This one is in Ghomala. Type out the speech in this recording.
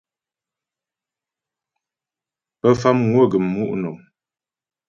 Pə Famŋwə gəm mu' nɔ̀m.